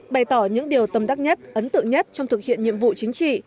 bày tỏ những điều tâm đắc nhất ấn tượng nhất trong thực hiện nhiệm vụ chính trị